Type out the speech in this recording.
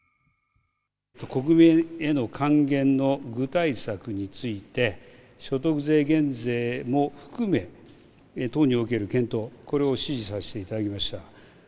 国民への還元の具体策について、所得税減税も含め、党における検討、これを指示させていただきました。